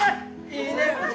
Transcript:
いいね。